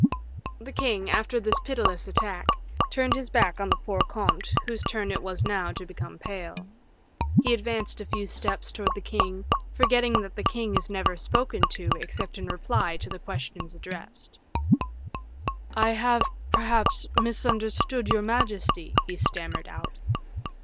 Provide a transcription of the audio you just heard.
The king, after this pitiless attack, turned his back on the poor comte, whose turn it was now to become pale; he advanced a few steps towards the king, forgetting that the king is never spoken to except in reply to questions addressed. "I have perhaps misunderstood your majesty," he stammered out.